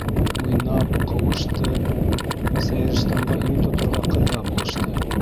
Уйнап, ҡыуышты, Сәйерстанға юл тоторға Ҡыҙға булышты.